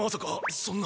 そそんな！